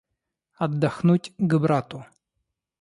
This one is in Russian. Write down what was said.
Отдохнуть к брату.